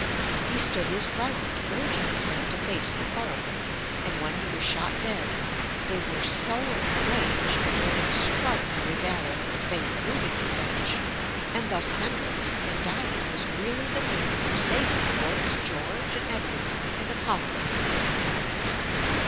He stood his ground, urging his men to face the foe; and when he was shot dead, they were so enraged that with extraordinary valor they routed the French, and thus Hendrix in dying was really the means of saving Forts George and Edward for the colonists.